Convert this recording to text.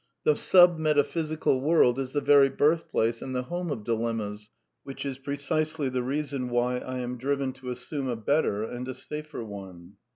The sub metaphysical world is the very birth place and the home of dilemmas, which is precisely the reason why I am driven to assume a better and a safer one.